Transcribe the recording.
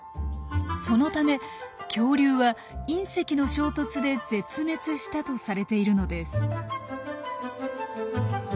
そのため恐竜は隕石の衝突で絶滅したとされているのです。